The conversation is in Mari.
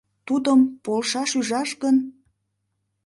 Тудым полшаш ӱжаш гын?..